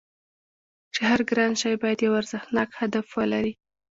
چې هر ګران شی باید یو ارزښتناک هدف ولري